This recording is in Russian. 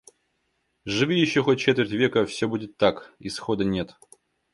Живи ещё хоть четверть века — Всё будет так. Исхода нет.